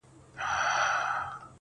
له خوب چي پاڅي، توره تياره وي~